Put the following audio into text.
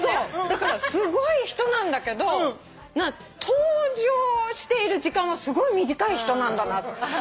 だからすごい人なんだけど登場している時間はすごい短い人なんだな。